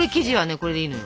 これでいいのよ。